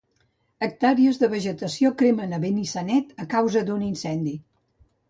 Hectàrees de vegetació cremen a Benissanet a causa d'un incendi.